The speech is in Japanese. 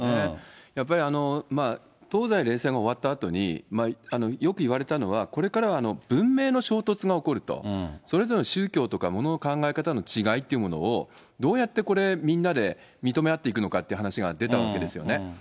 やっぱり東西冷戦が終わったあとに、よくいわれたのは、これからは文明の衝突が起こると、それぞれの宗教とか物の考え方の違いというものをどうやってみんなで認め合っていくのかっていう話が出たわけですよね。